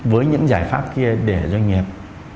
với những giải pháp kia để doanh nghiệp